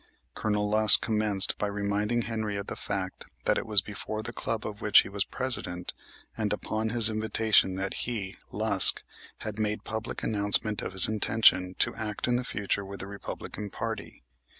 Colonel Lusk commenced by reminding Henry of the fact that it was before the club of which he was president and upon his invitation that he, Lusk, had made public announcement of his intention to act in the future with the Republican party.